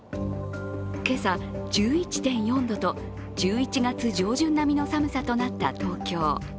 今朝１１．４度と、１１月上旬並みの寒さとなった東京。